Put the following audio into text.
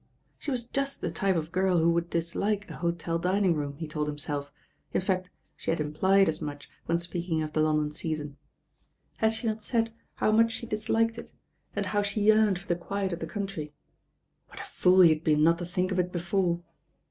She was just the type of girl who would dislike a hotel dining room, he told himself, in fact she had implied as much when speaking of the London Season. Had she not said how much she disliked it, and how she THE SEABCH BEGINS 81 yearned for the quiet of the country? What a fool he had been not to think of it before.